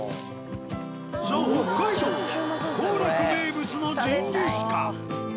ＴＨＥ北海道「幸楽」名物のジンギスカン。